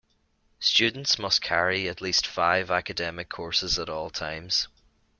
Students must carry at least five academic courses at all times.